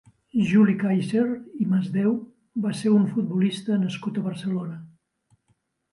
Juli Kaiser i Masdeu va ser un futbolista nascut a Barcelona.